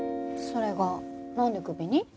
それがなんでクビに？